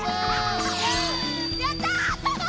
やった！